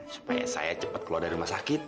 supaya saya cepat keluar dari rumah sakit